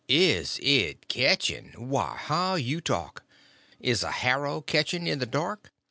"Is it ketching? Why, how you talk. Is a harrow catching—in the dark?